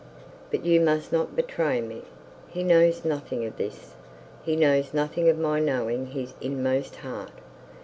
But you must not betray me. He knows nothing of this. He knows nothing of my knowing his inmost heart.